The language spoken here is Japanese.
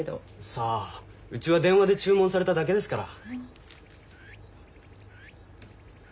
さあうちは電話で注文されただけですから。